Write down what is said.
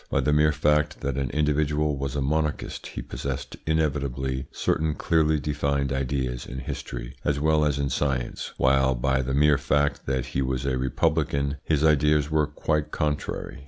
By the mere fact that an individual was a monarchist he possessed inevitably certain clearly defined ideas in history as well as in science, while by the mere fact that he was a republican, his ideas were quite contrary.